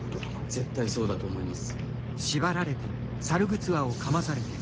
絶対そうだと思います。